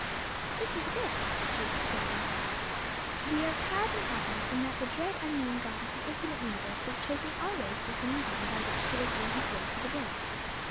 "Listen to this!" she exclaimed. "'We are proud and happy in that the dread unknown God of the infinite universe has chosen our race as the medium by which to reveal his will to the world.